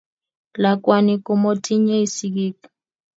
Lakwani komotinyei sigik